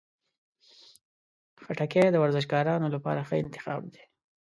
خټکی د ورزشکارانو لپاره ښه انتخاب دی.